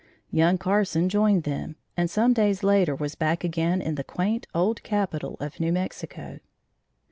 Young Carson joined them, and some days later was back again in the quaint old capital of New Mexico.